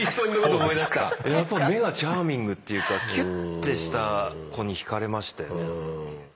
やっぱ目がチャーミングっていうかキュッてした子に惹かれましたよね。